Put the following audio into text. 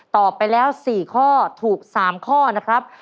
ตอบไปแล้ว๔ข้อถูก๓ข้อนะครับ